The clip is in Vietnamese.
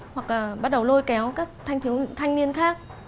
hoặc bắt đầu lôi kéo các thanh niên khác